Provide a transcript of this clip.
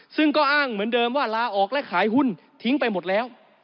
ซึ่งก็อ้างเหมือนเดิมว่าลาออกและขายหุ้นทิ้งไปหมดแล้ว